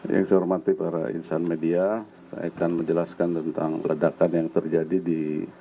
yang saya hormati para insan media saya akan menjelaskan tentang ledakan yang terjadi di